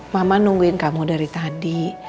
mama nungguin kamu dari tadi